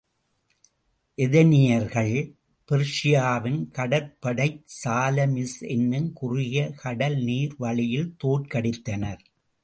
எதினியர்கள் பெர்ஷியாவின் கடற்படைச் சாலமிஸ் என்னும் குறுகிய கடல் நீர் வழியில் தோற்கடித்தனர்.